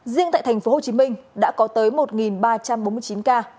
riêng tại thành phố hồ chí minh đã có tới một ba trăm bốn mươi chín ca